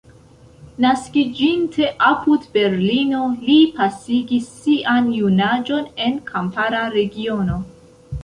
Naskiĝinte apud Berlino, li pasigis sian junaĝon en kampara regiono.